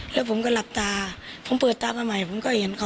แล้วผมก็หลับตาผมเปิดตามาใหม่